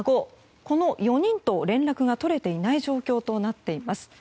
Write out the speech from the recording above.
この４人と連絡が取れていない状況となっています。